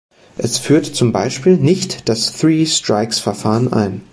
Es führt zum Beispiel nicht das Three-strikes-Verfahren ein.